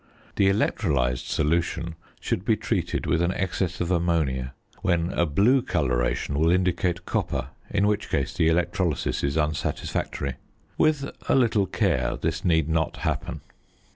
The electrolysed solution should be treated with an excess of ammonia, when a blue coloration will indicate copper, in which case the electrolysis is unsatisfactory. With a little care this need not happen.